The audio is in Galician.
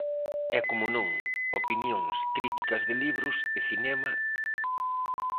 E, como non, opinións, críticas de libros, de cinema...